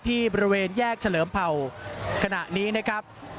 บริเวณแยกเฉลิมเผ่าขณะนี้นะครับ